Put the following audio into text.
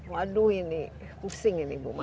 waduh ini pusing ini ibu mas